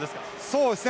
そうですね。